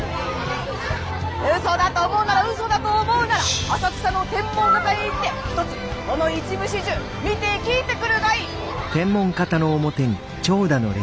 うそだと思うならうそだと思うなら浅草の天文方へ行ってひとつこの一部始終見て聞いてくるがいい！